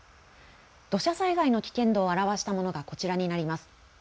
土砂災害の危険度を表したものがこちらになります。